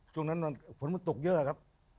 ช่วงนั้นฝนมันตกเยอะครับ